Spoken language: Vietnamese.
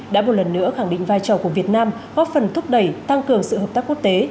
đã một lần nữa khẳng định vai trò của việt nam góp phần thúc đẩy tăng cường sự hợp tác quốc tế